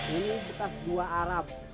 ini bekas dua arab